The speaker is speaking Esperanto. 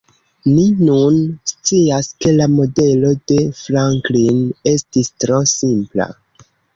Ni nun scias ke la modelo de Franklin estis tro simpla.